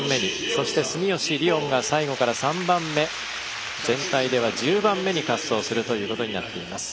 そして、住吉りをんが最後から３番目全体では１０番目に滑走することになっています。